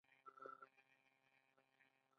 دوی له دغه بد حالت سره مخ شوي دي